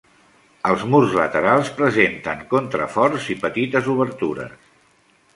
Els murs laterals presenten contraforts i petites obertures.